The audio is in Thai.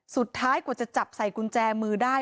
สุดท้ายกว่าจะจับใส่กุญแจมือได้